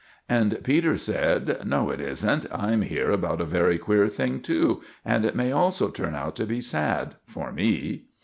And Peters said, "No, it isn't. I am here about a very queer thing too, and it may also turn out to be sad—for me."